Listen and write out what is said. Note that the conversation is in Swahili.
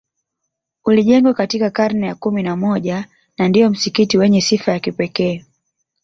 Ulijengwa katika karne ya kumi na moja na ndio msikiti wenye sifa ya kipekee